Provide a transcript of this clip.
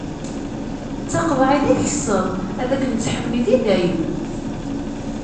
D taqeḍɛit i tkesseḍ, ad k-nettḥemmid i dayem!